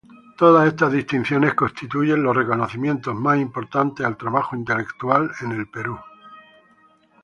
Todas estas distinciones constituyen los reconocimientos más importantes al trabajo intelectual en el Perú.